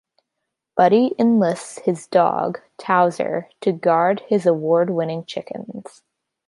Buddy enlists his dog, Towser, to guard his award-winning chickens.